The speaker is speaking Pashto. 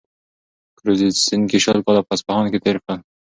کروزینسکي شل کاله په اصفهان کي تېر کړل.